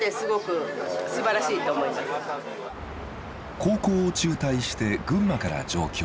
高校を中退して群馬から上京。